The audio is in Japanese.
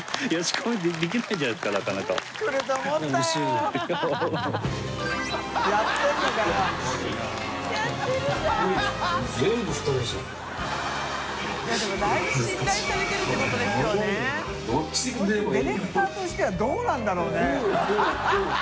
こいつディレクターとしてはどうなんだろうね？